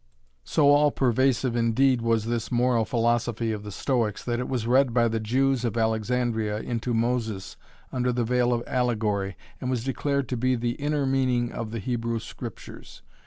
So all pervasive indeed was this moral philosophy of the Stoics that it was read by the Jews of Alexandria into Moses under the veil of allegory and was declared to be the inner meaning of the Hebrew Scriptures.